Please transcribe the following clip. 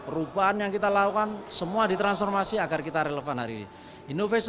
perubahan yang kita lakukan semua ditransformasi agar kita relevan hari ini